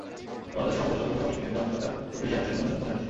আমার কাছে মাদকাসক্ত পুনর্বাসন কেন্দ্রের অংশটা খুব বেশি আকর্ষণীয় মনে হয়েছে।